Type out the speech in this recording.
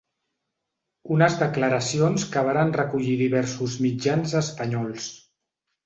Unes declaracions que varen recollir diversos mitjans espanyols.